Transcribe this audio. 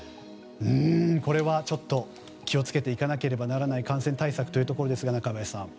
これは、ちょっと気を付けていかなければならない感染対策ということですが中林さん。